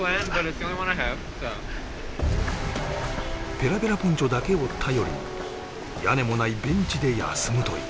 ペラペラポンチョだけを頼りに屋根もないベンチで休むという